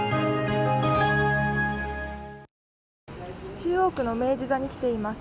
中央区の明治座に来ています。